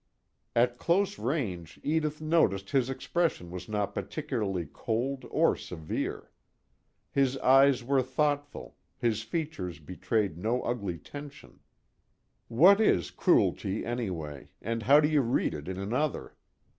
At close range, Edith noticed his expression was not particularly cold or severe. His eyes were thoughtful, his features betrayed no ugly tension. What is cruelty anyway, and how do you read it in another?